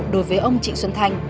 đối với ông trịnh xuân thanh